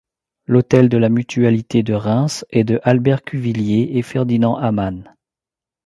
L'hôtel de la Mutualité de Reims est de Albert Cuvillier et Ferdinand Amann.